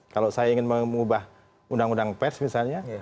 kalau saya ingin mengubah undang undang pers misalnya